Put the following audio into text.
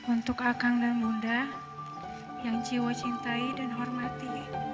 untuk akang dan bunda yang jiwa cintai dan hormati